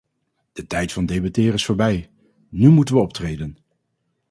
De tijd van debatteren is voorbij; nu moeten we optreden!